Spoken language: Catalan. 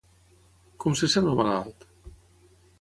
Com se sent el malalt?